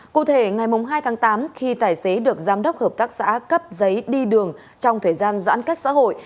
cụ thể ngày hai tháng tám khi tài xế được giám đốc hợp tác xã cấp giấy đi đường trong thời gian giãn cách xã hội